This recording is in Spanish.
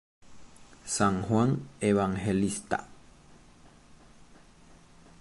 San Juan Evangelista.